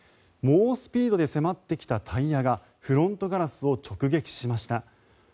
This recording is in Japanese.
猛スピードで迫ってきたタイヤがフロントガラスを直撃しました。